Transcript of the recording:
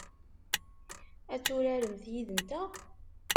Ad turaremt yid-nteɣ?